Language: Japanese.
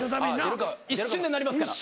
一瞬でなりますから。